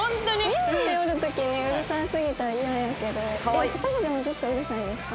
みんなでおる時にうるさすぎたらイヤやけど２人でもずっとうるさいんですか？